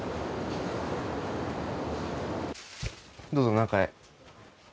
どうぞ中へ。